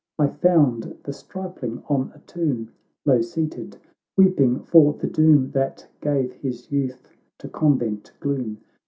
I found the stripling on a tomb Low seated, weeping for the doom That gave his youth to convent gloom.